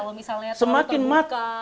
kalau misalnya terbuka